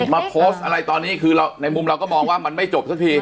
มาโพสต์อะไรตอนนี้คือในมุมเราก็มองว่ามันไม่จบสักที